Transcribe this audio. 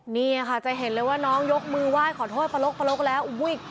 นี่ค่ะจะเห็นเลยว่าน้องยกมือไหว้ขอโทษปลกแล้วอุ้ย